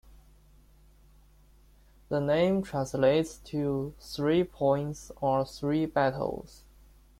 The name translates to "three points" or "three battles".